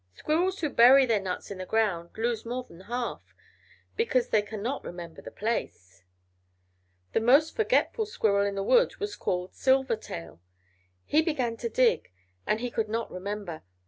Squirrels who bury their nuts in the ground lose more than half, because they cannot remember the place. The most forgetful squirrel in the wood was called Silvertail. He began to dig, and he could not remember.